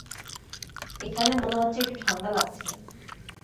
এখানে মনে হচ্ছে একটু ঠাণ্ডা লাগছে।